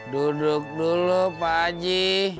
duduk dulu pak haji